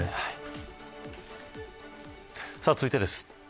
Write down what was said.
続いてです。